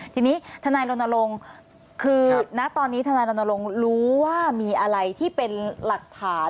ทีนี้ทนายลงคือตอนนี้ทนายลงรู้ว่ามีอะไรที่เป็นหลักฐาน